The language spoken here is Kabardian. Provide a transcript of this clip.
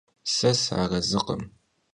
Se sıarezıkhım.